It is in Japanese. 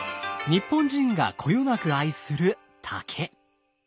日本人がこよなく愛する竹。